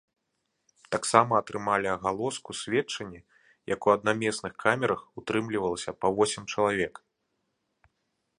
Таксама атрымалі агалоску сведчанні, як у аднаместных камерах утрымлівалася па восем чалавек.